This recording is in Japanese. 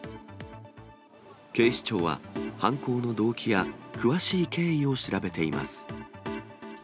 警視庁は、犯行の動機や詳しい経緯を調べています。